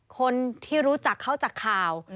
คนที่รู้จักเขาจากข่าว